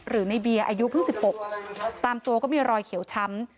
ในเบียร์อายุเพิ่ง๑๖ตามตัวก็มีรอยเขียวช้ำ